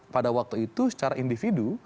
pada waktu itu secara individu